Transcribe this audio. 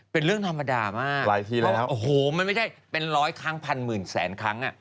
เป็นเรื่องธรรมดามากหลายทีแล้วโอ้โหมันไม่ใช่เป็นร้อยครั้งพันหมื่นแสนครั้งอ่ะ